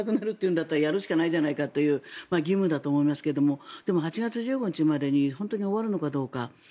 それならやるしかないじゃないかという義務だと思いますがでも８月１５日までに本当に終わるのかどうか。